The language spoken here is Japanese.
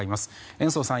延増さん